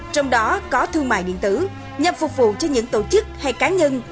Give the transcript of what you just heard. trong đó có thương mại điện tử nhằm phục vụ cho những tổ chức hay cá nhân